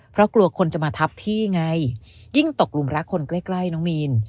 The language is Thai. เพราะกลัวคนจะมาทับพี่ไงยิ่งตกลุมรักคนใกล้น้องมีน